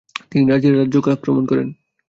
তিনি রানীর রাজ্যকে আক্রমণ করেন।